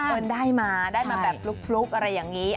เอิญได้มาได้มาแบบฟลุกอะไรอย่างนี้